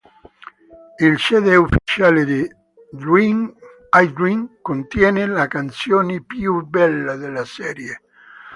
Il Cd ufficiale di I Dream contiene le canzoni più belle della serie.